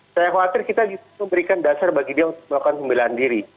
saya khawatir kita diberikan dasar bagi dia untuk melakukan pembelahan diri